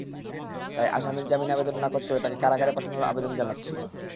তাই আসামির জামিন আবেদন নাকচ করে তাঁকে কারাগারে পাঠানোর আবেদন জানাচ্ছি।